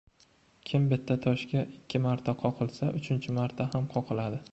Kim bitta toshga ikki marta qoqilsa, uchinchi marta ham qoqiladi.